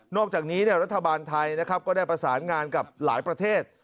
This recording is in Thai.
อกจากนี้รัฐบาลไทยนะครับก็ได้ประสานงานกับหลายประเทศ